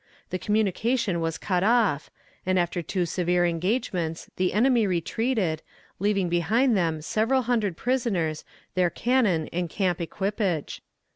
The communication was cut off, and after two severe engagements the enemy retreated, leaving behind them several hundred prisoners, their cannon and camp equipage.